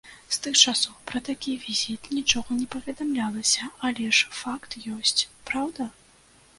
З тых часоў пра такі візіт нічога не паведамлялася, але ж факт ёсць, праўда?